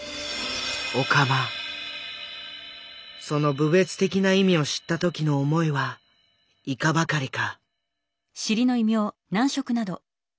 その侮蔑的な意味を知った時の思いはいかばかりか。